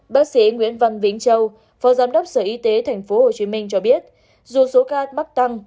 bác sĩ nguyễn văn vĩnh châu phó giám đốc sở y tế tp hcm cho biết dù số ca mắc tăng